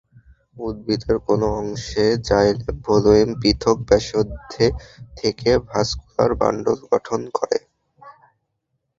উদ্ভিদের কোন অংশে জাইলেন ফ্লোয়েম পৃথক ব্যাসার্ধে থেকে ভাস্কুলার বান্ডল গঠন করে?